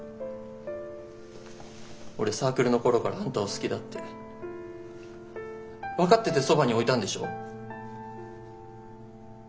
俺サークルの頃からあんたを好きだって分かっててそばに置いたんでしょ。